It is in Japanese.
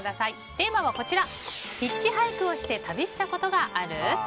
テーマはヒッチハイクで旅したことがある？